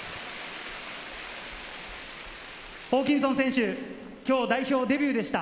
ホーキンソン選手、今日代表デビューでした。